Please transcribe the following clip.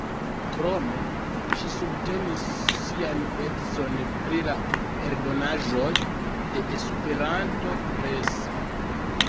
Krome ŝi subtenis sian edzon pri la eldonaĵoj de Esperanto Press.